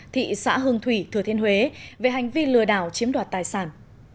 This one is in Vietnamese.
thị xã hương thủy thừa thiên huế về hành vi lừa đảo chiếm đoạt tài sản